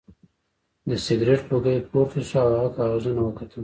د سګرټ لوګی پورته شو او هغه کاغذونه وکتل